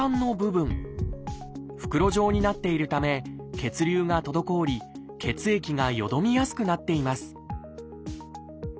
袋状になっているため血流が滞り血液がよどみやすくなっています